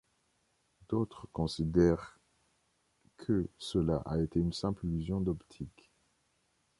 D'autres considèrent que cela a été une simple illusion d'optique.